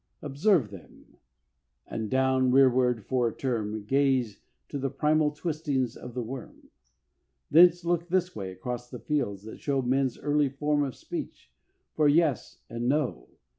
Observe them, and down rearward for a term, Gaze to the primal twistings of the worm. Thence look this way, across the fields that show Men's early form of speech for Yes and No.